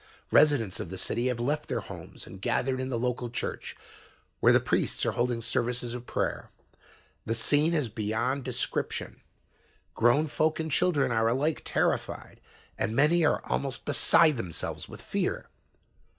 "Residents of the city have left their homes and gathered in the local church, where the priests are holding services of prayer. The scene is beyond description. Grown folk and children are alike terrified and many are almost beside themselves with fear.